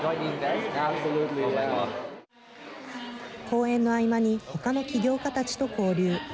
講演の合間に他の起業家たちと交流。